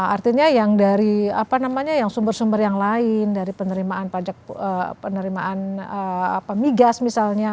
artinya yang dari sumber sumber yang lain dari penerimaan migas misalnya